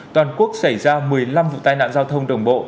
toàn quốc xảy ra một mươi năm vụ tai nạn giao thông đồng bộ